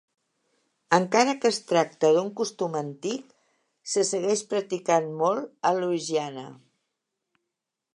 Encara que es tracta d"un costum antic, se segueix practicant molt a Louisiana.